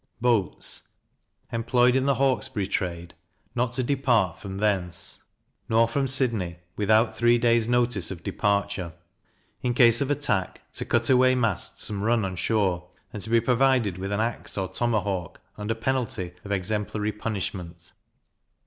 Boats employed in the Hawkesbury trade, not to depart from thence, nor from Sydney, without three days notice of departure. In case of attack, to cut away masts and run on shore; and to be provided with an axe or tomahawk, under penalty of exemplary punishment.